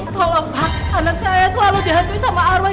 tolong pak anak saya selalu dihantui sama arwah